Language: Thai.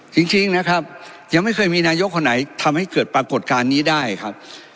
จริงนะครับยังไม่เคยมีนายกคนไหนทำให้เกิดปรากฏการณ์นี้ได้ครับ